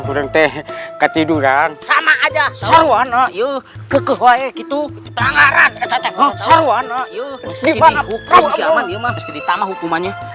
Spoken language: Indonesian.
orang teh ketiduran sama aja sarwana yuk kekehuayaan gitu pelanggaran